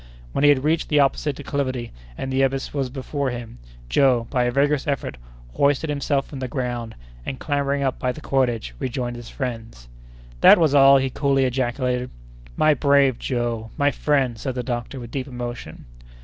When he had reached the opposite declivity, and the abyss was before him, Joe, by a vigorous effort, hoisted himself from the ground, and, clambering up by the cordage, rejoined his friends. "That was all!" he coolly ejaculated. "My brave Joe! my friend!" said the doctor, with deep emotion.